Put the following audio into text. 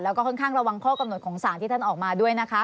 แล้วก็ค่อนข้างระวังข้อกำหนดของสารที่ท่านออกมาด้วยนะคะ